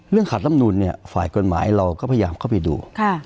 เรื่องขาดลำนุนฝ่ายกฎหมายเราก็พยายามเข้าไปดู